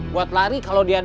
buat lari kalau dia